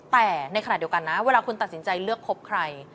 แต่ในขณะเดียวกันนะเวลาคุณตัดสินใจเลือกคบใคร